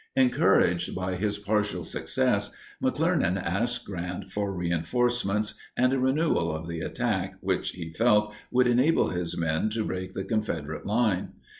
] Encouraged by his partial success, McClernand asked Grant for reinforcements and a renewal of the attack which, he felt, would enable his men to break the Confederate line.